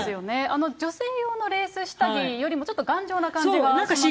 女性用のレース下着よりもちょっと頑丈な感じがしませんか？